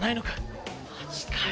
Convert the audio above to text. マジかよ